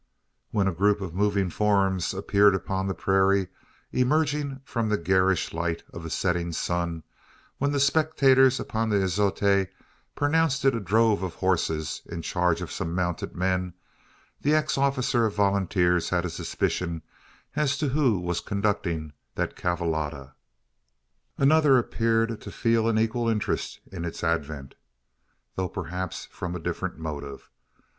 When a group of moving forms appeared upon the prairie, emerging from the garish light of the setting sun when the spectators upon the azotea pronounced it a drove of horses in charge of some mounted men the ex officer of volunteers had a suspicion as to who was conducting that cavallada. Another appeared to feel an equal interest in its advent, though perhaps from a different motive.